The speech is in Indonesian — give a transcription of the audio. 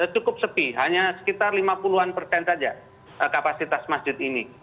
cukup sepi hanya sekitar lima puluh an persen saja kapasitas masjid ini